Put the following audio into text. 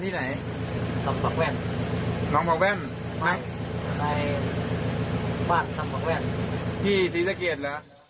ที่ศรีสักเกตเหรอ